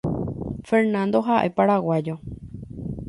Fernando ha’e Paraguayo.